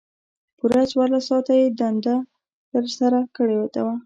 پوره څوارلس ساعته یې دنده ترسره کړې وه.